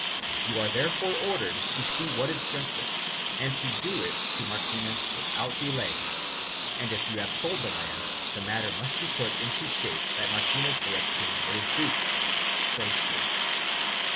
You are therefore ordered to see what is justice and do it to Martinez without delay and if you have sold the land, the matter must be put into such shape that Martinez may obtain what is due."